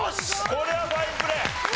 これはファインプレー。